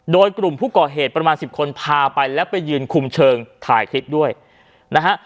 โดยกลุ่มผู้ก่อเหตุประมาณสิบคนพาไปแล้วไปยืนคุมเชิงถ่ายคลิปด้วยนะฮะ